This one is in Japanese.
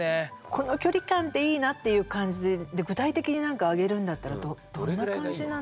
この距離感っていいなっていう感じで具体的に何か挙げるんだったらどんな感じなの？